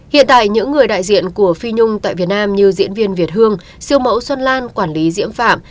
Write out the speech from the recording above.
hiện tại những người đại diện của phi nhung tại việt nam như diễn viên việt hương siêu mẫu xuân lan quản lý diễm phạm